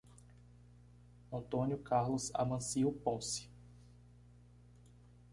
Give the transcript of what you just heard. Antônio Carlos Amancio Ponce